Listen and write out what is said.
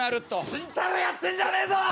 ちんたらやってんじゃねえぞ！